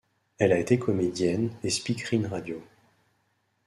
Elle a été comédienne et speakerine radio.